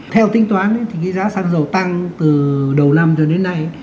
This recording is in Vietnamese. theo tính toán thì cái giá xăng dầu tăng từ đầu năm cho đến nay